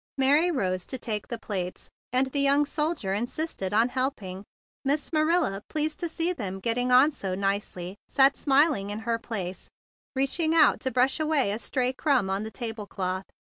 Mary rose to take the plates, and the young soldier insisted on helping. Miss Marilla, pleased to see them getting on so nicely, sat smiling in her place, reaching out to brush away a stray crumb on the table cloth.